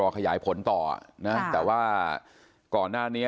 อืมว่านี่คือรถของนางสาวกรรณิการก่อนจะได้ชัดเจนไป